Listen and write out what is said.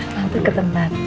lantai ke tempat